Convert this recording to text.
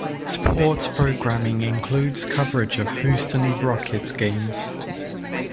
Sports programming includes coverage of Houston Rockets games.